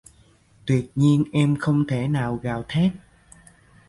tuyệt nhiên em không thể nào gào thét